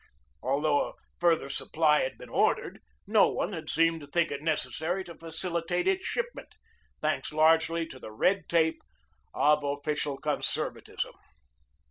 Although a further supply had been ordered, no one had seemed to think it necessary to facili tate its shipment, thanks largely to the red tape of official conservatism.